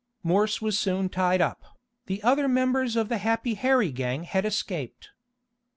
Morse was soon tied up. The other members of the Happy Harry gang had escaped.